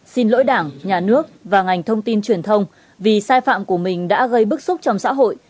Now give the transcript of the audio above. xin lỗi đảng nhà nước và ngành thông tin truyền thông vì sai phạm của mình đã gây bức xúc trong xã hội